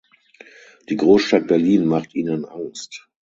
Die Großstadt Berlin macht ihnen Angst.